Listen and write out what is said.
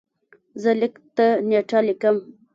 زه لیک ته نېټه لیکم.